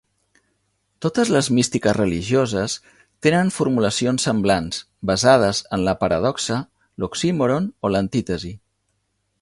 Totes les místiques religioses tenen formulacions semblants basades en la paradoxa, l'oxímoron o l'antítesi.